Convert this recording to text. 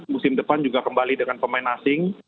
musim depan juga kembali dengan pemain asing